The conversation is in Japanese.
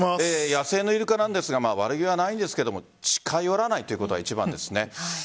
野生のイルカなんですが悪気はないんですけど近寄らないということが一番ですね。